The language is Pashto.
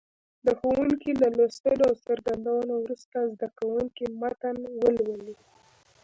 د ښوونکي له لوستلو او څرګندونو وروسته زده کوونکي متن ولولي.